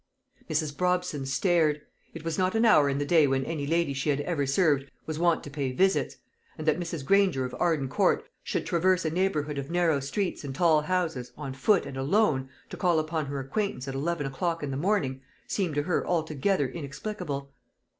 Mrs. Brobson stared. It was not an hour in the day when any lady she had ever served was wont to pay visits; and that Mrs. Granger of Arden Court should traverse a neighbourhood of narrow streets and tall houses, on foot and alone, to call upon her acquaintance at eleven o'clock in the morning, seemed to her altogether inexplicable.